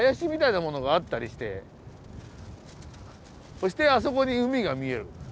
そしてあそこに海が見える。